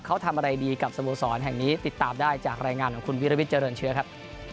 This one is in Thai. เขาทำอะไรดีกับสโมสรแห่งนี้ติดตามได้จากรายงานของคุณวิรวิทยเจริญเชื้อครับ